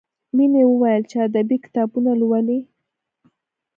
مینې وویل چې ادبي کتابونه لولي